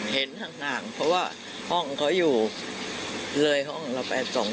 เห็นทางเพราะว่าห้องเค้าอยู่เลยห้องเราแปด๒๓ห้อง